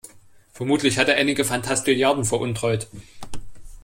Vermutlich hat er einige Fantastilliarden veruntreut.